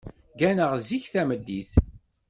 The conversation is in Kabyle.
Gganeɣ zik tameddit.